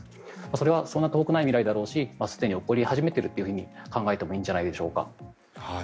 それはそう遠くない未来だしすでに起こり始めていると考えてもいいんじゃないでしょうか。